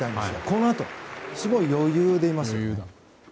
このあと、すごい余裕でいます。